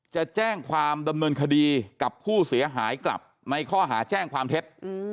จะแจ้งความดำเนินคดีกับผู้เสียหายกลับในข้อหาแจ้งความเท็จ